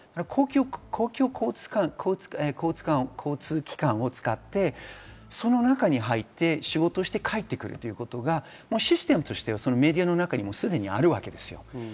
公共交通機関を使って、その中に入って仕事して帰ってくるということが、システムとしてメディアの中にあるわけです。